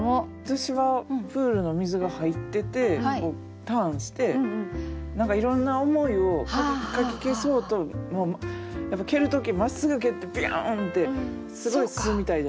私はプールの水が入っててターンして何かいろんな思いをかき消そうと蹴る時まっすぐ蹴ってビューンってすごい進むみたいじゃないですか。